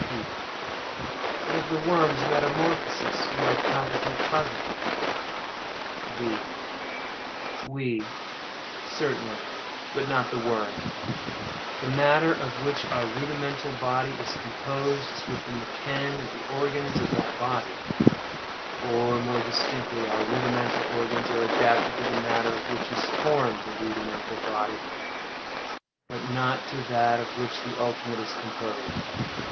P. But of the worm's metamorphosis we are palpably cognizant. V. We, certainly—but not the worm. The matter of which our rudimental body is composed, is within the ken of the organs of that body; or, more distinctly, our rudimental organs are adapted to the matter of which is formed the rudimental body; but not to that of which the ultimate is composed.